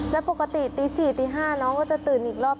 และปกติตีสี่ตีห้าน้องก็จะตื่นอีกรอบ